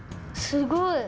すごい。